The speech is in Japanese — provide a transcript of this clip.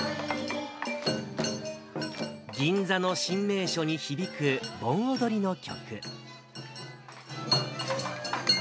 銀座の新名所に響く盆踊りの曲。